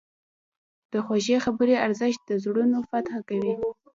د خوږې خبرې ارزښت د زړونو فتح کوي.